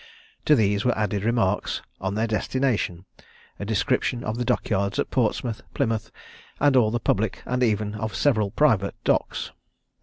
To these were added remarks on their destination, a description of the dock yards at Portsmouth, Plymouth, and all the public, and even of several private, docks.